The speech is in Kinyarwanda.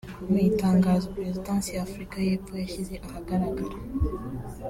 Mu itangazo Perezidansi ya Afurika y’Epfo yashyize ahagaragara